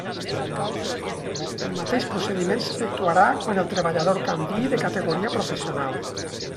El mateix procediment s'efectuarà quan el treballador canviï de categoria professional.